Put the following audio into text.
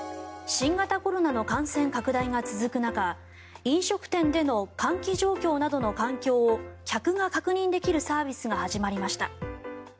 新型コロナの感染拡大が続く中飲食店での換気状況などの環境を客が確認できるサービスが始まりました。